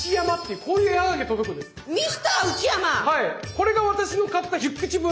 これが私の買った１０口分。